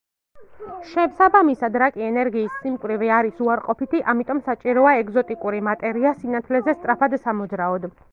შესაბამისად, რაკი ენერგიის სიმკვრივე არის უარყოფითი, ამიტომ საჭიროა ეგზოტიკური მატერია სინათლეზე სწრაფად სამოძრაოდ.